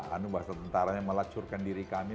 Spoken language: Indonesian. anu bahasa tentara yang melacurkan diri kami